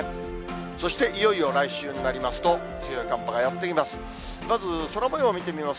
そしていよいよ来週になりますと、強い寒波がやって来ます。